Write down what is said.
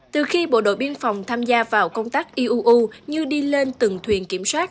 từ khi bộ đội biên phòng tham gia vào công tác iuu như đi lên từng thuyền kiểm soát